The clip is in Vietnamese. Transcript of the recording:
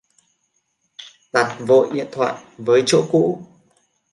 Đặt vội điện thoại với chỗ cũ